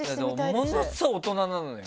ものすごい大人なのよ。